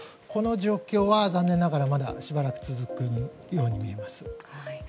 この状況は残念ながらまだしばらく続くように見えます。